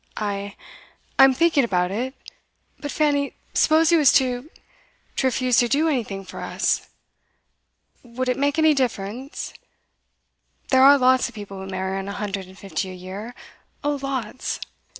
'I I'm thinking about it. But, Fanny, suppose he was to to refuse to do anything for us. Would it make any difference? There are lots of people who marry on a hundred and fifty a year oh lots!